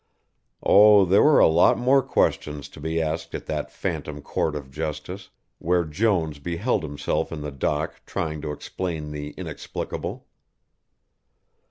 Oh, there were a lot more questions to be asked at that phantom court of Justice, where Jones beheld himself in the dock trying to explain the inexplicable.